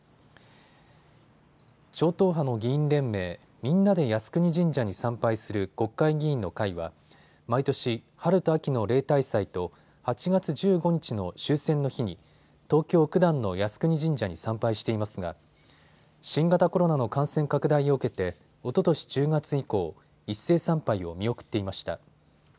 超党派の議員連盟、みんなで靖国神社に参拝する国会議員の会は毎年、春と秋の例大祭と８月１５日の終戦の日に東京九段の靖国神社に参拝していますが新型コロナの感染拡大を受けておととし１０月以降、一斉参拝を見送っていました。